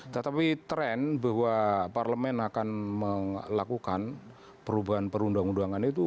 tetapi tren bahwa parlemen akan melakukan perubahan perundang undangan itu